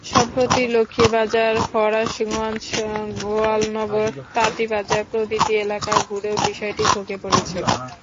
সম্প্রতি লক্ষ্মীবাজার, ফরাশগঞ্জ, গোয়ালনগর, তাঁতীবাজার প্রভৃতি এলাকা ঘুরেও বিষয়টি চোখে পড়েছে।